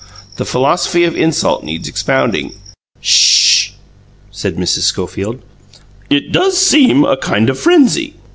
The philosophy of insult needs expounding. "SH!" said Mrs. Schofield. "It does seem a kind of frenzy."